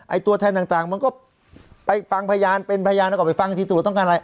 ตัวแทนต่างมันก็ไปฟังพยานเป็นพยานแล้วก็ไปฟังทีตรวจต้องการอะไร